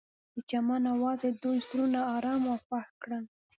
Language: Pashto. د چمن اواز د دوی زړونه ارامه او خوښ کړل.